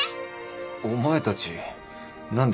お前たち何で。